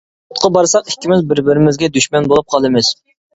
سوتقا بارساق ئىككىمىز بىر-بىرىمىزگە دۈشمەن بولۇپ قالىمىز.